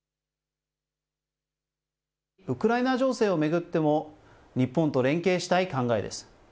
ウクライナ情勢を巡っても、日本と連携したい考えです。